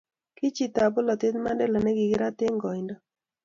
ki chitab bolatet Mandela ne kikirat eng' koindo